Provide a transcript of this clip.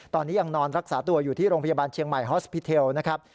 ตอนนี้ยังนอนรักษาตัวอยู่ที่โรงพยาบาลเชียงใหม่ฮอสพิเทลนะครับ